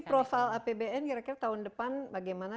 profil apbn kira kira tahun depan bagaimana